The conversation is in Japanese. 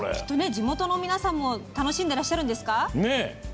地元の皆さんも楽しんでらっしゃるんですか？